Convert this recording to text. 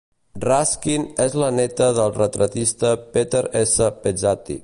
Raskin és la neta del retratista Peter S. Pezzati.